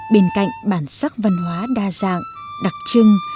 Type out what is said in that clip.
bản sắc văn hóa đa dạng đặc trưng